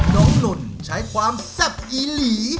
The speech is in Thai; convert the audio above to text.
น้องนนท์ใช้ความแทบอีหลี่